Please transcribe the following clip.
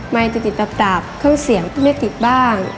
จะติดตับเครื่องเสียงก็ไม่ติดบ้าง